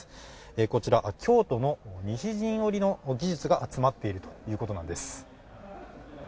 こちら京都の西陣織の技術が詰まっているということなんです。